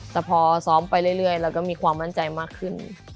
แต่พอซ้อมไปเรื่อยเราก็มีความมั่นใจมากขึ้น